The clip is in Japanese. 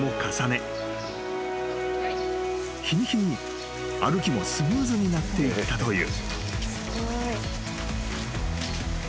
［日に日に歩きもスムーズになっていったという］